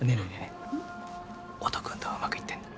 え音君とはうまくいってんの？